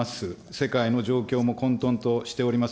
世界の状況も混とんとしております。